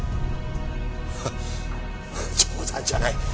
ハッ冗談じゃない。